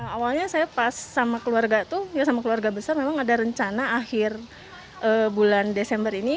awalnya saya pas sama keluarga itu ya sama keluarga besar memang ada rencana akhir bulan desember ini